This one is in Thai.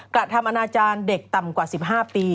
กระทำอนาจารย์เด็กต่ำกว่า๑๕ปี